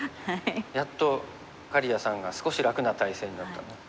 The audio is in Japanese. やっと刈谷さんが少し楽な体勢になった。